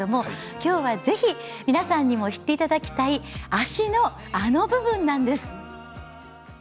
きょうはぜひ皆さんにも知っていただきたい足のあの部分です。